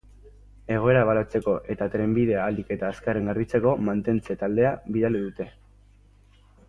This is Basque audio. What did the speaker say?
Egoera ebaluatzeko eta trenbidea ahalik eta azkarren garbitzeko mantentze-taldea bidali dute.